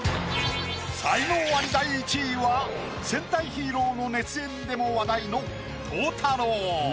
才能アリ第１位は戦隊ヒーローの熱演でも話題の。